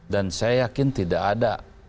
dan saya yakin tidak ada